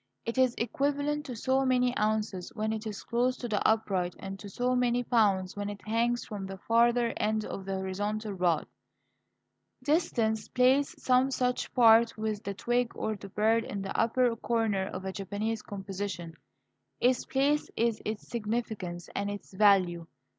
It is equivalent to so many ounces when it is close to the upright, and to so many pounds when it hangs from the farther end of the horizontal rod. Distance plays some such part with the twig or the bird in the upper corner of a Japanese composition. Its place is its significance and its value.